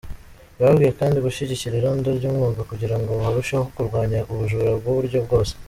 Yababwiye kandi gushyigikira irondo ry’umwuga kugira ngo barusheho kurwanya ubujura bw’uburyo bwose.